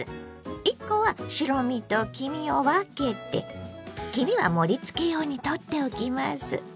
１コは白身と黄身を分けて黄身は盛りつけ用にとっておきます。